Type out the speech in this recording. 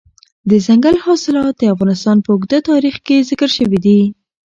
دځنګل حاصلات د افغانستان په اوږده تاریخ کې ذکر شوي دي.